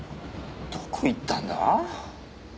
どこ行ったんだ？